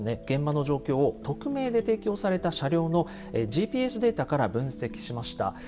現場の状況を匿名で提供された車両のＧＰＳデータから分析しました。